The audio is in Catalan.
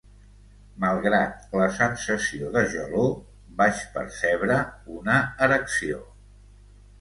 Malgrat la sensació de gelor, vaig percebre una erecció.